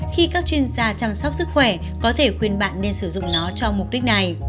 khi các chuyên gia chăm sóc sức khỏe có thể khuyên bạn nên sử dụng nó cho mục đích này